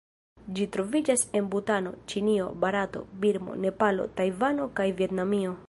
Ĝi troviĝas en Butano, Ĉinio, Barato, Birmo, Nepalo, Tajvano kaj Vjetnamio.